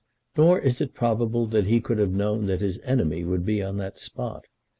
Nor is it probable that he could have known that his enemy would be on that spot.